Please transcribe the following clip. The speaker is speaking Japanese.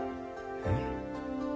えっ！？